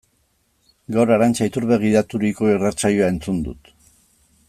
Gaur Arantxa Iturbek gidaturiko irratsaioa entzun dut.